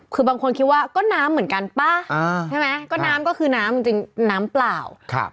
คือบางคนคิดว่าก็น้ำเหมือนกันป่ะใช่ไหมก็น้ำก็คือน้ำจริงน้ำเปล่า